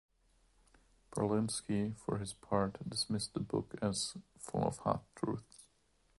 Berlinsky, for his part, dismissed the book as "full of half truths".